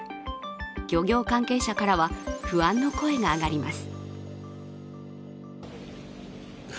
漁業関係者からは不安の声が上がります。